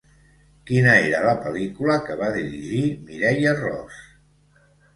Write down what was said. Quina era la pel·lícula que va dirigir Mireia Ros?